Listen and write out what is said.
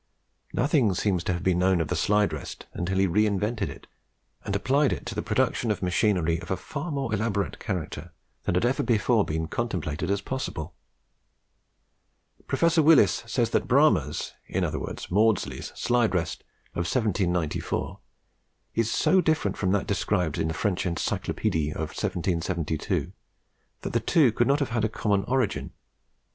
Nothing seems to have been known of the slide rest until he re invented it and applied it to the production of machinery of a far more elaborate character than had ever before been contemplated as possible. Professor Willis says that Bramah's, in other words Maudslay's, slide rest of 1794 is so different from that described in the French 'Encyclopedie in 1772, that the two could not have had a common origin.